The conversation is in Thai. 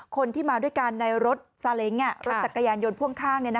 คนที่มาด้วยกันในรถซาเล้งรถจักรยานยนต์พ่วงข้าง